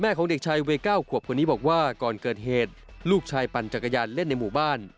ของเด็กชายวัย๙ขวบคนนี้บอกว่าก่อนเกิดเหตุลูกชายปั่นจักรยานเล่นในหมู่บ้าน